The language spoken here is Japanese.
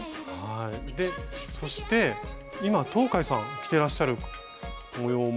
そして今東海さん着ていらっしゃる模様も。